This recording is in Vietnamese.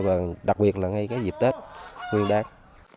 và đặc biệt là ngay cái dịp tết nguyên đáng